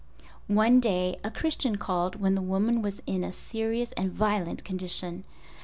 One day a Christian called when the woman was in a serious and violent condition.